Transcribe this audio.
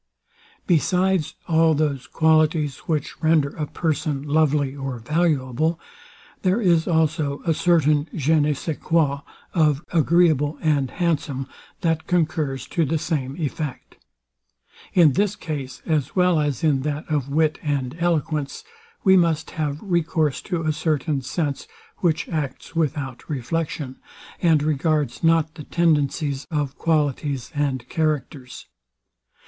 Besides all those qualities, which render a person lovely or valuable, there is also a certain JE NE SAIS QUOI of agreeable and handsome, that concurs to the same effect. In this case, as well as in that of wit and eloquence, we must have recourse to a certain sense, which acts without reflection, and regards not the tendencies of qualities and characters.